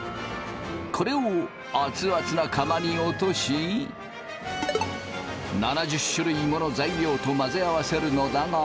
これを熱々な釜に落とし７０種類もの材料と混ぜ合わせるのだが。